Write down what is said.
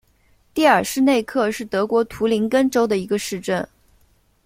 蒂尔施内克是德国图林根州的一个市镇。